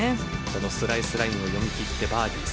このスライスラインを読み切ってバーディー。